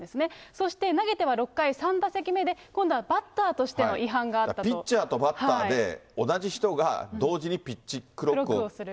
そして、投げては６回３打席目で、今度はバッターとしての違反があピッチャーとバッターで、同じ人が同時にピッチクロックをする。